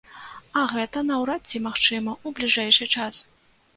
А гэта наўрад ці магчыма ў бліжэйшы час.